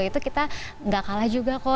itu kita gak kalah juga kok